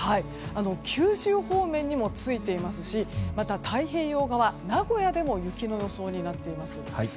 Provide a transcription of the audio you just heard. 九州方面にもついていますしまた太平洋側、名古屋でも雪の予想になっています。